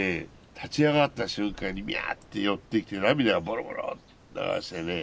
立ち上がった瞬間にミャーって寄ってきて涙がボロボローって流してね